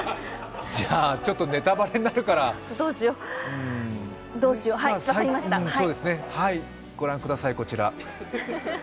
じゃあ、ネタバレになるからご覧ください、こちら。